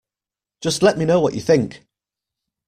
Just let me know what you think